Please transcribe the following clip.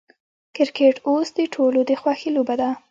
کرکټ اوس د ټولو د خوښې لوبه ده.